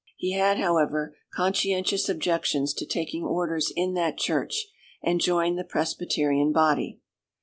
He had, however, conscientious objections to taking orders in that Church, and joined the Presbyterian body.